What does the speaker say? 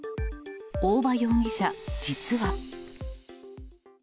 大場容疑者、実は。